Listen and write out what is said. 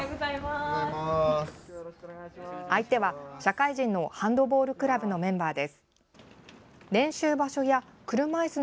相手は社会人のハンドボールクラブのメンバーです。